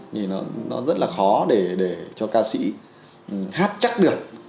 thì nó rất là khó để cho ca sĩ hát chắc được